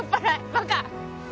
バカ！